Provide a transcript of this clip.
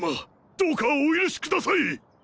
どうかお許しください！